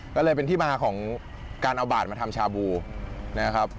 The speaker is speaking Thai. ก็เลยเป็นที่มาของการเอาบาดมาทำชาบูนะครับ